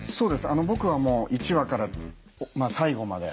あの僕はもう１話から最後まで。